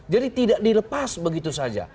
jadi tidak dilepas begitu saja